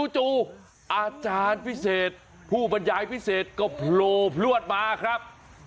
จู่อาจารย์พิเศษผู้บรรยายพิเศษก็โผล่พลวดมาครับ